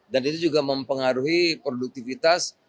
dan itu juga mempengaruhi produktivitas